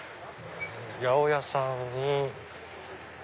八百屋さんに。